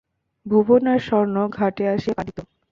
ভুবন আর স্বর্ণ ঘাটে আসিয়া কাঁদিত।